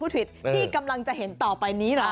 ที่กำลังจะเห็นต่อไปนี้เหรอ